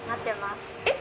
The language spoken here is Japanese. えっ？